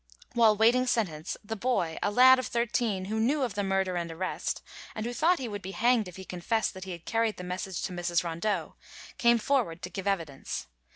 While waiting sentence, the boy, a lad of thirteen, who knew of the murder and arrest, and who thought he would be hanged if he confessed that he had carried the message to Mrs. Rondeau, came forward to give evidence.